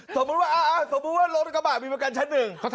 สมมติว่ารถกระบะอ่านมีประกันชั้น๑